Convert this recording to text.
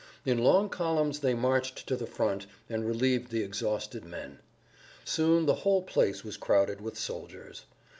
In long columns they marched to the front and relieved the exhausted men. Soon the whole place was crowded with soldiers.